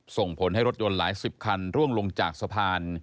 ส่งผลให้รถยนต์หลายสิบคันร่วงลงจากสะพาน